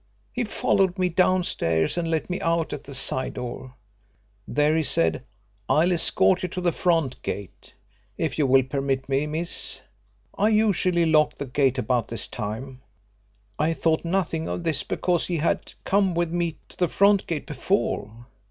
He followed me down stairs and let me out at the side door. There he said, 'I'll escort you to the front gate, if you will permit me, miss. I usually lock the gate about this time.' I thought nothing of this because he had come with me to the front gate before.